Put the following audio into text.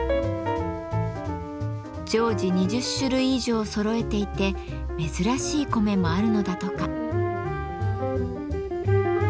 常時２０種類以上そろえていて珍しい米もあるのだとか。